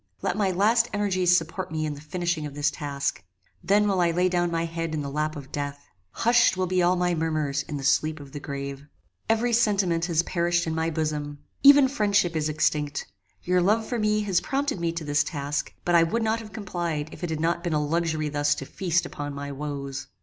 Let my last energies support me in the finishing of this task. Then will I lay down my head in the lap of death. Hushed will be all my murmurs in the sleep of the grave. Every sentiment has perished in my bosom. Even friendship is extinct. Your love for me has prompted me to this task; but I would not have complied if it had not been a luxury thus to feast upon my woes.